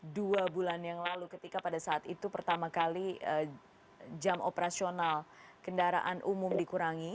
dua bulan yang lalu ketika pada saat itu pertama kali jam operasional kendaraan umum dikurangi